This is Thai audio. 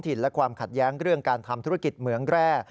และความขัดแย้งเรื่องการทำธุรกิจเหมืองแร่